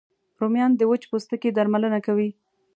رومیان د وچ پوستکي درملنه کوي